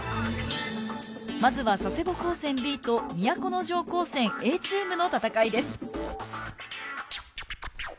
まずは佐世保高専Ｂと都城高専Ａチームの戦いです。